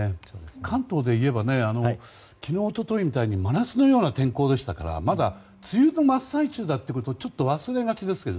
関東でいえば昨日、一昨日みたいに真夏のような天候でしたからまだ梅雨の真っ最中だということを忘れがちですが。